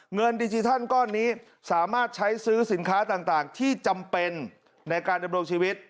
เงินดิจิทัลก้อนนี้สามารถใช้ซื้อสินค้าต่างที่จำเป็นในการดำรงชีวิต